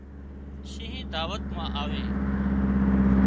شينهن دعوت مان آوي